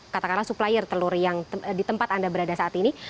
katakanlah supplier telur yang di tempat anda berada saat ini